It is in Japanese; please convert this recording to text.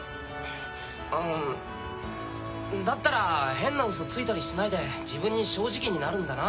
あだったら変なウソついたりしないで自分に正直になるんだな。